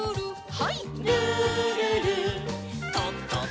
はい。